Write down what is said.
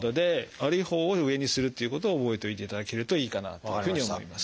悪いほうを上にするっていうことを覚えておいていただけるといいかなというふうに思います。